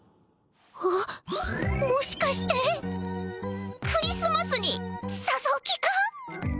あっもしかしてクリスマスに誘う気か？